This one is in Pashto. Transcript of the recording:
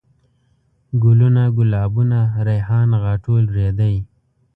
ګلوونه ،ګلابونه ،ريحان ،غاټول ،رېدی